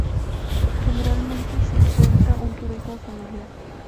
Generalmente se encuentra un turismo familiar.